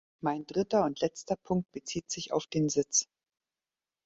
Mein dritter und letzter Punkt bezieht sich auf den Sitz.